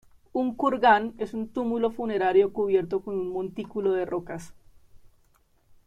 Un kurgán es un túmulo funerario cubierto con un montículo de rocas.